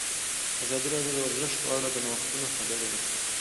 ازادي راډیو د ورزش په اړه د نوښتونو خبر ورکړی.